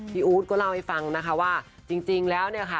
อู๊ดก็เล่าให้ฟังนะคะว่าจริงแล้วเนี่ยค่ะ